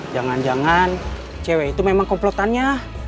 jangan jangan cewek itu memang komplotannya